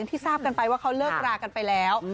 ที่ทราบกันไปว่าเขาเลิกรากันไปแล้ว